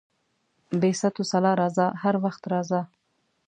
بې ست وسلا راځه، هر وخت راځه.